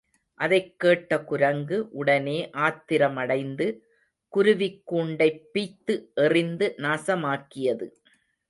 அதைக் கேட்ட குரங்கு, உடனே ஆத்திரமடைந்து, குருவிக் கூண்டைப் பிய்த்து எறிந்து நாசமாக்கியது.